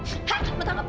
hah tak menangkap